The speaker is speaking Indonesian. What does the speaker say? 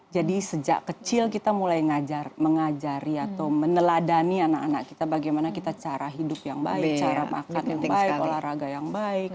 jadi sejak kecil kita mulai mengajari atau meneladani anak anak kita bagaimana kita cara hidup yang baik cara makan yang baik olahraga yang baik